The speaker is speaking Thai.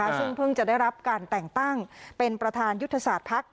ซึ่งเพิ่งจะได้รับการแต่งตั้งเป็นประธานยุทธศาสตร์ภักดิ์